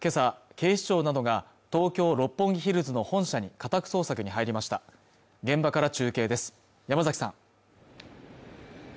警視庁などが東京六本木ヒルズの本社に家宅捜索に入りました現場から中継です山崎さん